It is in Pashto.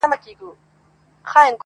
پرېږده چي وپنځوي ژوند ته د موسی معجزې~